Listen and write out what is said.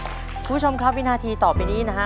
คุณผู้ชมครับวินาทีต่อไปนี้นะฮะ